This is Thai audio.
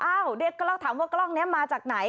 อ้าวเด็กก็ล่องถามว่ากล้องเนี้ยมาจากไหน